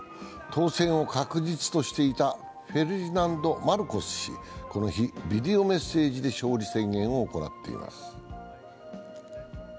当選を確実としていたフェルディナンド・マルコス氏、この日、ビデオメッセージで勝利宣言を行っています。